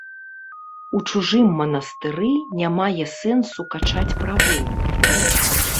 У чужым манастыры не мае сэнсу качаць правы.